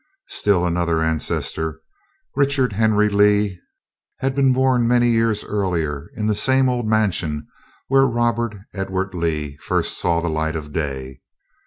Still another ancestor, Richard Henry Lee, had been born many years earlier in the same old mansion where Robert Edward Lee first saw the light of day.